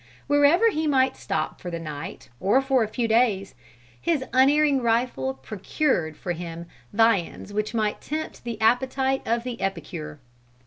Wherever he might stop for the night or for a few days, his unerring rifle procured for him viands which might tempt the appetite of the epicure.